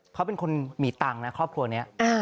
เขาเป็นคนมีตังค์นะครอบครัวนี้